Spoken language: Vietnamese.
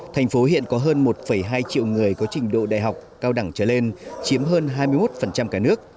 thành phố hiện có hơn một hai triệu người có trình độ đại học cao đẳng trở lên chiếm hơn hai mươi một cả nước